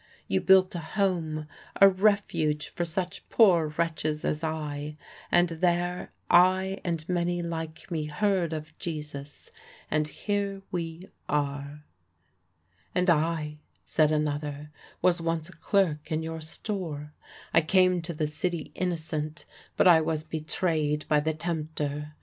You built a home, a refuge for such poor wretches as I, and there I and many like me heard of Jesus; and here we are." "And I," said another, "was once a clerk in your store. I came to the city innocent, but I was betrayed by the tempter.